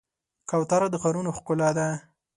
کوتره د ښارونو ښکلا ده.